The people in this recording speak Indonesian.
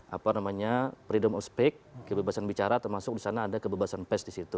apa namanya freedom of speak kebebasan bicara termasuk di sana ada kebebasan pers di situ